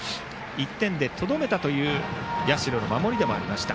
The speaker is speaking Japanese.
１点でとどめたという社の守りでした。